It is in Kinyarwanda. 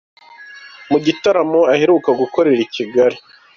Mu gitaramo aheruka gukorera i Kigali.